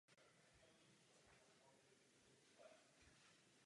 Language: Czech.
Její rodina náležela k mladší linii rodu Reuss.